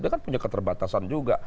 dia kan punya keterbatasan juga